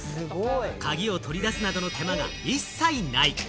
鍵を取り出すなどの手間が一切ない。